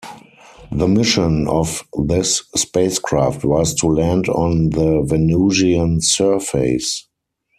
The mission of this spacecraft was to land on the Venusian surface.